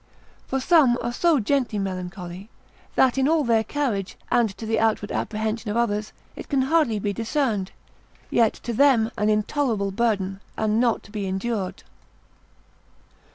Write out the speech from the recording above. For some are so gently melancholy, that in all their carriage, and to the outward apprehension of others it can hardly be discerned, yet to them an intolerable burden, and not to be endured.